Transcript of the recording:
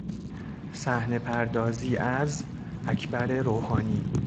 صحنه پردازی از: اکبر روحانی